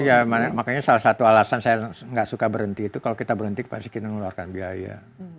iya makanya salah satu alasan saya nggak suka berhenti itu kalau kita berhenti pasti kita ngeluarkan biaya